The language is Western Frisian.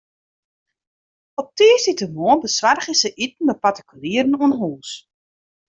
Op tiisdeitemoarn besoargje se iten by partikulieren oan hûs.